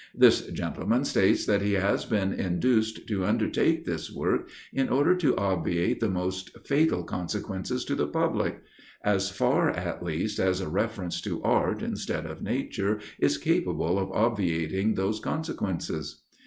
This gentleman states that he has been induced to undertake this work, in order to obviate the most fatal consequences to the public; as far, at least, as a reference to art, instead of nature, is capable of obviating those consequences.